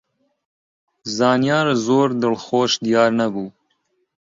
زانیار زۆر دڵخۆش دیار نەبوو.